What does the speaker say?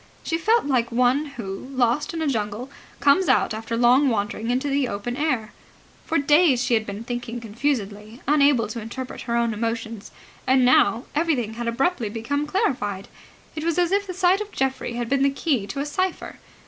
She felt like one who, lost in a jungle, comes out after long wandering into the open air. For days she had been thinking confusedly, unable to interpret her own emotions: and now everything had abruptly become clarified. It was as if the sight of Geoffrey had been the key to a cipher.